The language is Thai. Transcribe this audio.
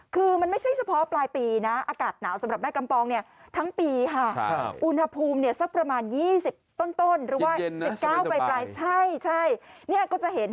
คือมันไม่ใช่เฉพาะปลายปีนะ